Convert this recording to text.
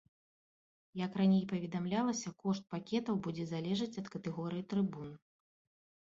Як раней паведамлялася, кошт пакетаў будзе залежаць ад катэгорыі трыбун.